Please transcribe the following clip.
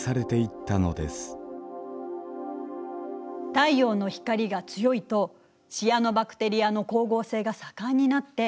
太陽の光が強いとシアノバクテリアの光合成が盛んになって酸素の量も増える。